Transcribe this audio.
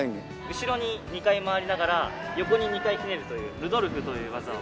後ろに２回回りながら横に２回ひねるというルドルフという技を。